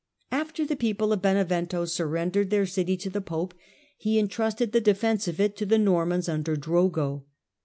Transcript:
After the people of Benevento sur rendered their city to the pope, he entrusted the defence of it to the Normans under Drogo.